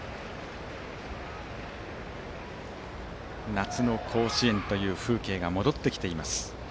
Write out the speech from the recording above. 夏の甲子園という風景が戻ってきています。